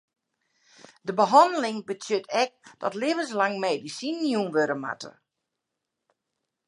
De behanneling betsjut ek dat libbenslang medisinen jûn wurde moatte.